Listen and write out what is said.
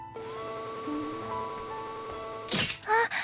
あっ！